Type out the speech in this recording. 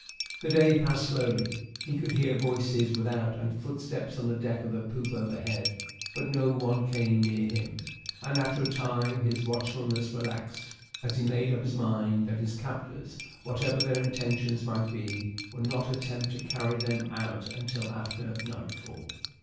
The day passed slowly. He could hear voices without and footsteps on the deck of the poop overhead, but no one came near him; and after a time his watchfulness relaxed, as he made up his mind that his captors, whatever their intentions might be, would not attempt to carry them out until after nightfall.